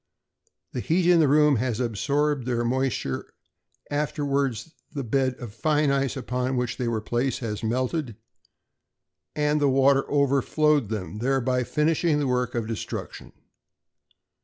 The heat in the room has absorbed their moisture, afterwards the bed of fine ice on which they were placed has melted, and the water overflowed them, thereby finishing the work of destruction.